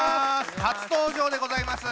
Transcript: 初登場でございます！